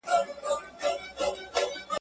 چي خپل خوب ته مي تعبیر جوړ کړ ته نه وې.